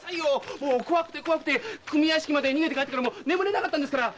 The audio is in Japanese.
もう怖くて組屋敷まで逃げて帰ってからも眠れなかったんですから！